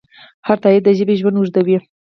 هر تایید د ژبې ژوند اوږدوي.